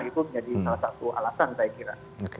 itu menjadi salah satu alasan saya kira